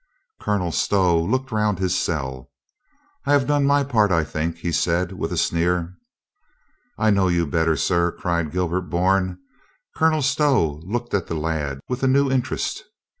Colonel Stow looked round his cell. "I have done my part, I think," he said with a sneer. "I know you better, sir," cried Gilbert Bourne. Colonel Stow looked at the lad with a new interest.